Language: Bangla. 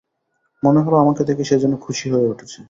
মনে হল, আমাকে দেখে সে যেন খুশি হয়ে উঠেছে।